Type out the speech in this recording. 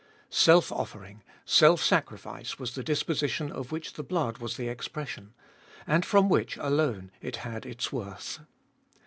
Self offering, self sacrifice, was the dis position of which the blood was the expression, and from which alone it had its worth.